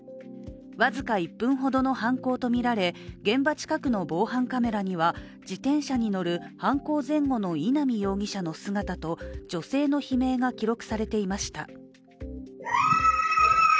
僅か１分ほどの犯行とみられ現場近くの防犯カメラには自転車に乗る犯行前後の稲見容疑者の姿と女性の悲鳴が記録されていました。